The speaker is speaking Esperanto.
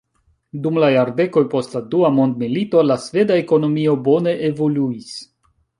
Dum la jardekoj post la dua mondmilito la sveda ekonomio bone evoluis.